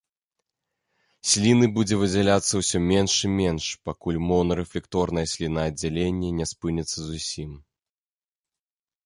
Сліны будзе выдзяляцца ўсё менш і менш, пакуль умоўнарэфлекторнае слінааддзяленне не спыніцца зусім.